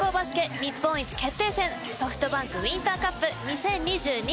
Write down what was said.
日本一決定戦ＳｏｆｔＢａｎｋウインターカップ２０２２。